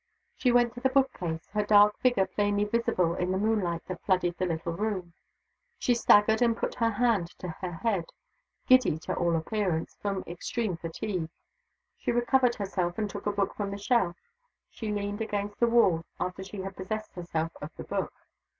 She went to the book case her dark figure plainly visible in the moonlight that flooded the little room. She staggered and put her hand to her head; giddy, to all appearance, from extreme fatigue. She recovered herself, and took a book from the shelf. She leaned against the wall after she had possessed herself of the book.